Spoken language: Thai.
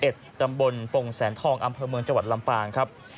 ตำบลปงแสนทองอำเภอเมืองจังหวัดลำปางครับ